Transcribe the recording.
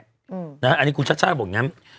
อันนี้คุณชัดบอกอย่างนั้น